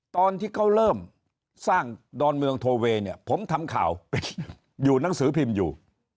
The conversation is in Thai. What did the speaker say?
ตอนที่เขาเริ่มสร้างดอนเมืองโทเวย์เนี่ยผมทำข่าวอยู่หนังสือพิมพ์อยู่